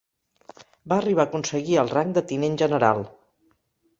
Va arribar a aconseguir el rang de tinent general.